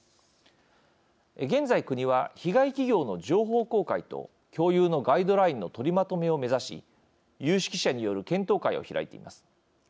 現在、国は被害企業の情報公開と共有のガイドラインの取りまとめを目指し有識者による検討会を開いています。